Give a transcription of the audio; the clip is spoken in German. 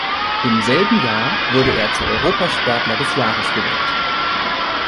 Im selben Jahr wurde er zu Europas Sportler des Jahres gewählt.